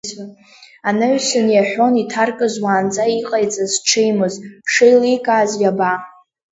Анаҩсан иаҳәон иҭаркыз уаанӡа иҟаиҵаз шҽеимыз шеиликааз иаба?